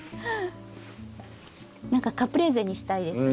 何かカプレーゼにしたいですね。